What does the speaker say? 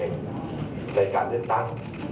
ในการเล่นตั้ง